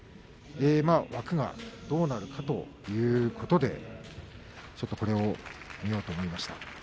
枠がどうなるかということでこれを見ようと思いました。